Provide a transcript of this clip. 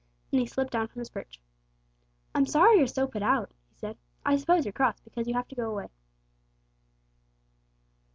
Then he slipped down from his perch. "I'm sorry you're so put out," he said. "I suppose you're cross because you have to go away."